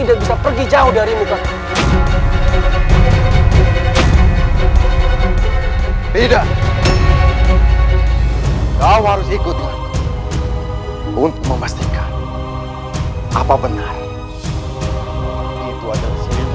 kami pergi ke tempat itu sekarang kalau utterwe live at itu tidak tidak buru tori ku gue juga bisa baik itu berbisa tokenity